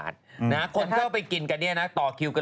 สนุนโดยดีที่สุดคือการให้ไม่สิ้นสุด